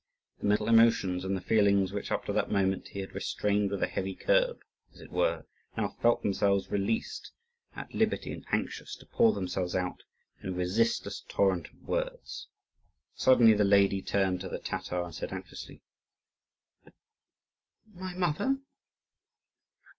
The mental emotions and the feelings which up to that moment he had restrained with a heavy curb, as it were, now felt themselves released, at liberty, and anxious to pour themselves out in a resistless torrent of words. Suddenly the lady turned to the Tatar, and said anxiously, "But my mother?